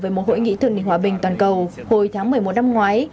về một hội nghị thượng đỉnh hòa bình toàn cầu hồi tháng một mươi một năm ngoái